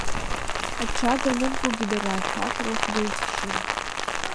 Аҽага аныркугьы дара ашәақь рыхәда иахшьын.